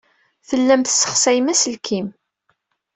Tellam tessexsayem aselkim.